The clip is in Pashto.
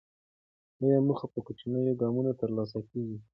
لویې موخې په کوچنیو ګامونو ترلاسه کېږي.